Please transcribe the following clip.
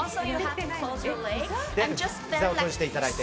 ひざを閉じていただいて。